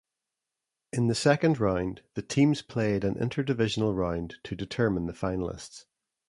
In the second round, the teams played an inter-divisional round to determine the finalists.